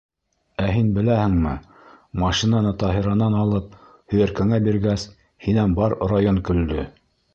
Ә һин беләһеңме, машинаны Таһиранан алып, һөйәркәңә биргәс, һинән бар район көлдө!